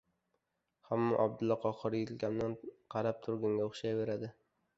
hamon Abdulla Qahhor yelkamdan qarab turganga o‘xshayveradi.